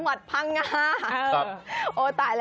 ขอบคุณครับ